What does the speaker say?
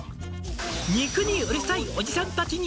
「肉にうるさいおじさんたちに」